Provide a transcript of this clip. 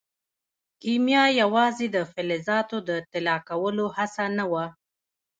کیمیا یوازې د فلزاتو د طلا کولو هڅه نه وه.